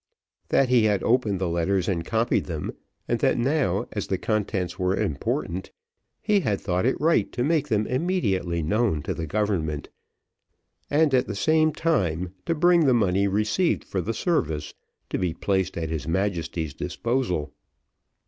That he had opened the letters and copied them, and that now as the contents were important, he had thought it right to make them immediately known to the government, and at the same time to bring the money received for the service, to be placed at his Majesty's disposal.